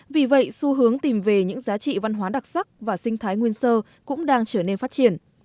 vì vậy xu hướng tìm về những giá trị văn hóa đặc sắc và sinh thái nguyên sơ cũng đang trở nên phát triển